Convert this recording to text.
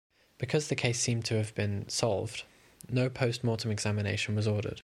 Because the case seemed to have been solved, no post-mortem examination was ordered.